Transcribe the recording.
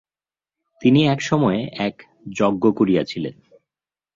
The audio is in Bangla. তিনি এক সময়ে এক যজ্ঞ করিয়াছিলেন।